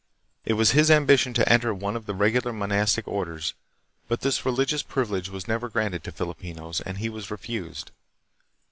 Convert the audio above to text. It was his ambition to enter one of the regular mon astic orders, but this religious privilege was never granted to Filipinos, and he was refused.